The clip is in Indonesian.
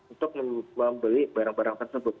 untuk membeli barang barang tersebut